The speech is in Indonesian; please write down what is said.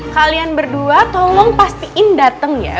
kalian berdua tolong pastiin datang ya